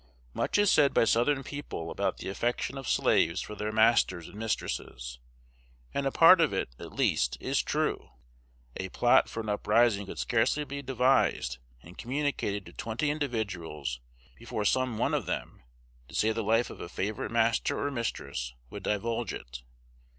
Much is said by Southern people about the affection of slaves for their masters and mistresses; and a part of it, at least, is true. A plot for an uprising could scarcely be devised and communicated to twenty individuals before some one of them, to save the life of a favorite master or mistress, would divulge it.